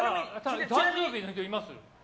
誕生日の人います？